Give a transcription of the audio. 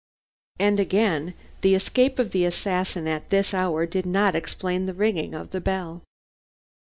And again, the escape of the assassin at this hour did not explain the ringing of the bell.